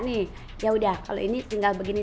nih ya udah kalau ini tinggal begini